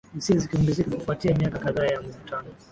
hisia zikiongezeka kufuatia miaka kadhaa ya mivutano